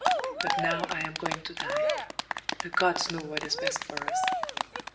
But now I am going to die;—the gods know what is best for us.